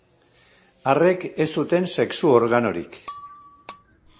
Arrek ez zuten sexu organorik.